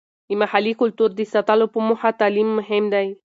د محلي کلتور د ساتلو په موخه تعلیم مهم دی.